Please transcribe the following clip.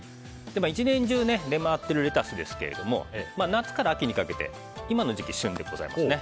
１年中、出回っているレタスですが夏から秋にかけて今の時期、旬でございますね。